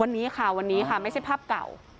วันนี้ค่ะวันนี้ค่ะไม่ใช่ภาพเก่า